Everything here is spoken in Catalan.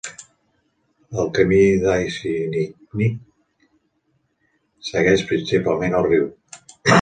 El camí d'Aishinik segueix principalment el riu.